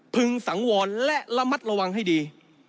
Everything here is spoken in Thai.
ึงสังวรและระมัดระวังให้ดี